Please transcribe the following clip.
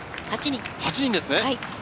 ８人ですね。